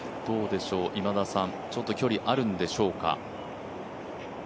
今田さん、ちょっと距離あるんでしょうか。